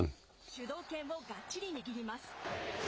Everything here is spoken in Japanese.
主導権をがっちり握ります。